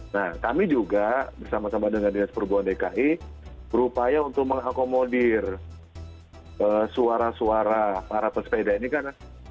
nah kami juga bersama sama dengan dinas perhubungan dki berupaya untuk mengakomodir suara suara para pesepeda ini kan